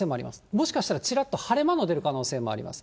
もしかしたらちらっと晴れ間の出る可能性もあります。